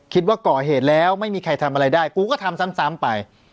คิดว่าก่อเหตุแล้วไม่มีใครทำอะไรได้กูก็ทำซ้ำไป